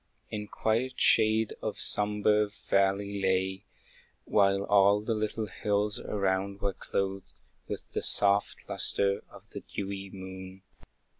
In quiet shade the sombre valley lay, While all the little hills around were clothed With the soft lustre of the dewy moon.